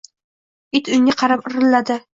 It unga qarab irrilardi.